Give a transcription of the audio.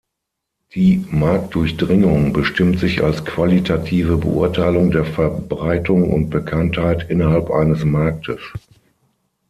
Die Marktdurchdringung bestimmt sich als qualitative Beurteilung der Verbreitung und Bekanntheit innerhalb eines Marktes.